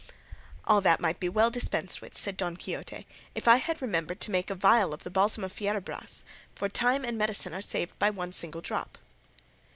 "All that might be well dispensed with," said Don Quixote, "if I had remembered to make a vial of the balsam of Fierabras, for time and medicine are saved by one single drop."